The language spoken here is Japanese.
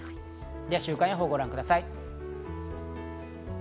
では週間予報をご覧ください。